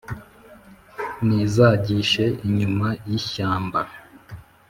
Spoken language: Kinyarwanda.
n’izagishe inyuma y’ishyamba